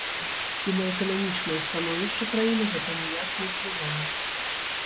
І на эканамічнае становішча краіны гэта ніяк не ўплывае.